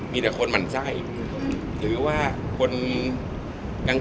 มีแต่คนหมั่นไส้หรือว่าคนกลาง